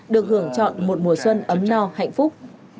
được hưởng chọn một mùa xuân ấm no hạnh phúc